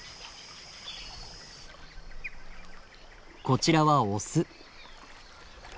こちらはオス。